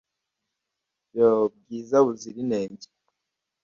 yo, bwiza buzira inenge